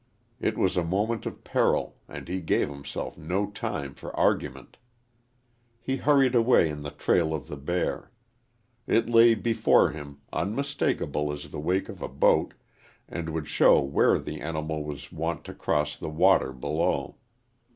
It was a moment of peril, and he gave himself no time for argument. He hurried away in the trail of the bear. It lay before him, unmistakable as the wake of a boat, and would show where the animal was wont to cross the water below.